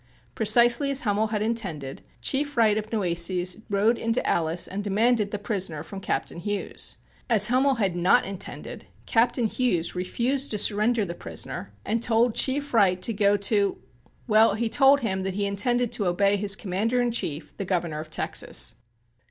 Precisely as Hummel had intended, Chief Wright of Nueces rode into Alice and demanded the prisoner from Captain Hughes. As Hummel had not intended, Captain Hughes refused to surrender the prisoner and told Chief Wright to go to well, he told him that he intended to obey his commander in chief, the Governor of Texas.